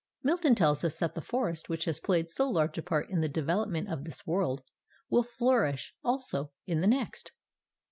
Milton tells us that the forest, which has played so large a part in the development of this world, will flourish also in the next.